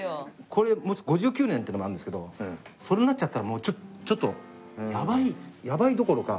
これ５９年っていうのもあるんですけどそれになっちゃったらもうちょっとやばいやばいどころか。